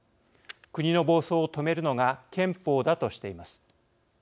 国の暴走を止めるのが憲法だとしています。